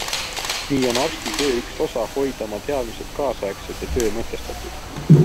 Nii on arsti töö üks osa hoida oma teadmised kaasaegsed ja töö mõtestatud.